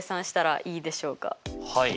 はい。